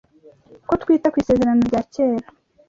Uko twita ku Isezerano rya Kera